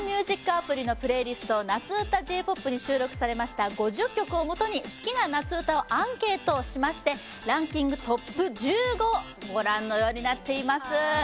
アプリのプレイリスト「夏うたＪ−ＰＯＰ」に収録されました５０曲をもとに好きな夏うたをアンケートをしましてランキングトップ１５ご覧のようになっています